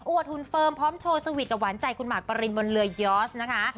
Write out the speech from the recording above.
หุ่นเฟิร์มพร้อมโชว์สวีทกับหวานใจคุณหมากปรินบนเรือยอร์สนะคะ